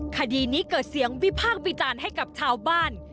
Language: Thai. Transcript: คดีนี้เกิดเสียงวิพากษ์วิจารณ์ให้กับชาวบ้าน